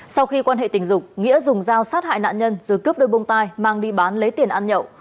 sau khi quan hệ tình dục nghĩa dùng dao sát hại nạn nhân rồi cướp đôi bông tai mang đi bán lấy tiền ăn nhậu